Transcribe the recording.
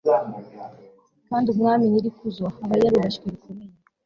kandi umwami nyiri ikuzo aba yarubashywe bikomeye